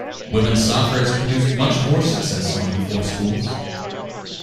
Women's soccer has produced much more success among the four schools.